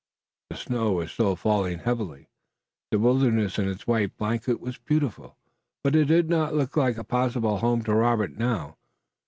The snow was still falling heavily. The wilderness in its white blanket was beautiful, but it did not look like a possible home to Robert now.